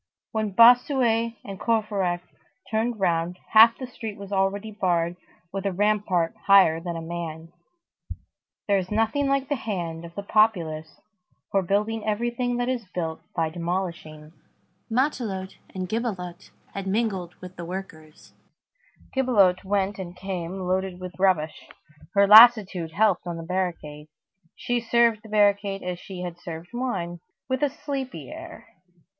When Bossuet and Courfeyrac turned round, half the street was already barred with a rampart higher than a man. There is nothing like the hand of the populace for building everything that is built by demolishing. Matelote and Gibelotte had mingled with the workers. Gibelotte went and came loaded with rubbish. Her lassitude helped on the barricade. She served the barricade as she would have served wine, with a sleepy air.